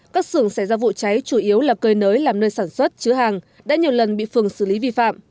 các xưởng xảy ra vụ cháy chủ yếu là cơi nới làm nơi sản xuất chứa hàng đã nhiều lần bị phường xử lý vi phạm